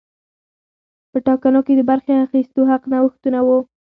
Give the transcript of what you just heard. په ټاکنو کې د برخې اخیستو حق نوښتونه وو.